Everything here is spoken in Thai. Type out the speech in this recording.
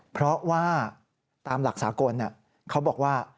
เพราะว่าตามหลักสากลเขาบอกว่า